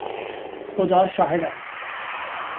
خدا شاهد است.